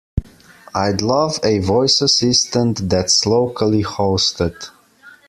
I'd love a voice assistant that's locally hosted.